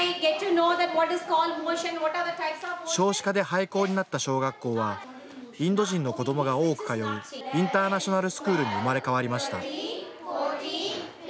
少子化で廃校になった小学校はインド人の子どもが多く通うインターナショナルスクールに生まれ変わりました。